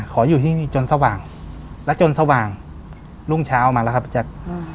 ขออยู่ที่นี่จนสว่างและจนสว่างรุ่งเช้ามาแล้วครับพี่แจ๊ค